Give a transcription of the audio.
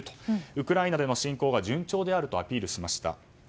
ウクライナでの侵攻が順調であるとアピールしました。